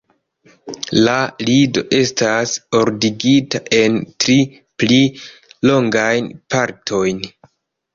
La lido estas ordigita en tri pli longajn partojn.